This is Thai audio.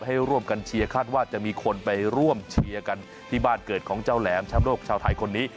ให้ร่วมกันเชียร์คาดว่าจะมีคนไปร่วมเชียร์กันที่บ้านเกิดของเจ้าแหลมแชมป์โลกชาวไทยคนนี้